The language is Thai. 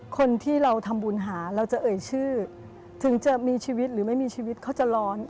คนที่เราทำบุญหาเราจะเอ่ยชื่อถึงจะมีชีวิตหรือไม่มีชีวิตเขาจะร้อน